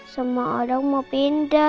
terus di depan